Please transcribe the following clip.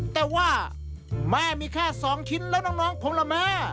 แต่ว่าแม่มีแค่๒ชิ้นแล้วน้องผมล่ะแม่